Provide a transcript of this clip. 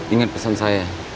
inget pesan saya